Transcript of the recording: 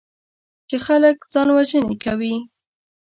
چې خلک ځانوژنې کوي.